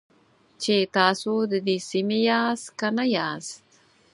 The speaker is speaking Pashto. چې تاسو د دې سیمې یاست که نه یاست.